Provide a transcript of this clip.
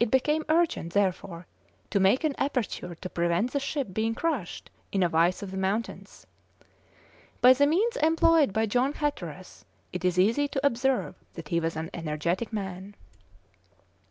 It became urgent, therefore, to make an aperture to prevent the ship being crushed in a vice of the mountains. By the means employed by John Hatteras, it is easy to observe that he was an energetic man.